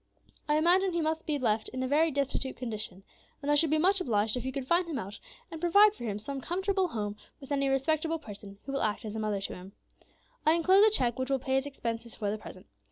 I imagine he must be left in a very destitute condition; and I should be much obliged if you could find him out and provide for him some comfortable home with any respectable person who will act as a mother to him. "I enclose a check which will pay his expenses for the present.